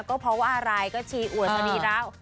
ก็เพราะว่าอารายก็ชีอวดสะดีแล้ว